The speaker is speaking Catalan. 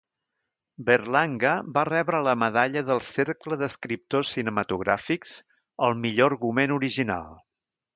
Berlanga va rebre la medalla del Cercle d'Escriptors Cinematogràfics al millor argument original.